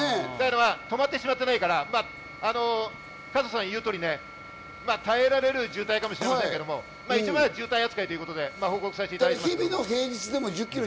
止まってしまっていないから、加藤さんの言う通りね、耐えられる渋滞かもしれませんけど、まぁ、一応渋滞扱いということで報告させていただきます。